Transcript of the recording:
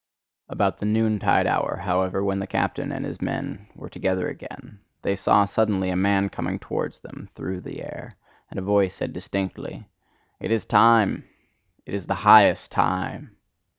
About the noontide hour, however, when the captain and his men were together again, they saw suddenly a man coming towards them through the air, and a voice said distinctly: "It is time! It is the highest time!"